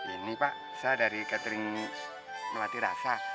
ini pak saya dari catering melatih rasa